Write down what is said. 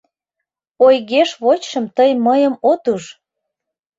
Ойгеш вочшым тый мыйым от уж!